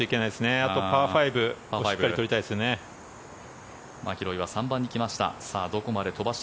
あとパー５をしっかり取りたいですね。